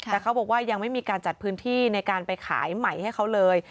แต่เขาบอกว่ายังไม่มีการจัดพื้นที่ในการไปขายใหม่ให้เขาเลย